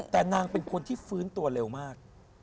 แต่นางเป็นคนที่ฟื้นตัวเร็วมาก